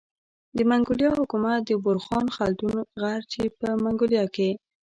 د منګولیا حکومت د بورخان خلدون غر چي په منګولیا کي